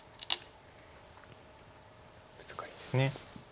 ブツカリです。